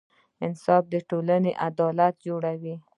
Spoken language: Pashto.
انصاف د ټولنې عدالت جوړوي.